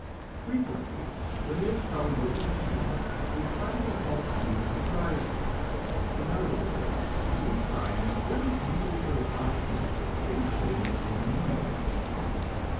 Frequently, when there is trouble with the machine, we find the fault to be with the driver; in other words, we find that what is needed for the body is a change in the mind.